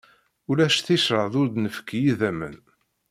Ulac ticraḍ ur d-nefki idammen.